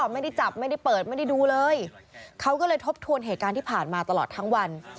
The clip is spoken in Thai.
ไม่ได้จับไม่ได้เปิดไม่ได้ดูเลยเขาก็เลยทบทวนเหตุการณ์ที่ผ่านมาตลอดทั้งวัน